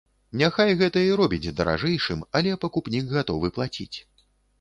Няхай гэта і робіць даражэйшым, але пакупнік гатовы плаціць.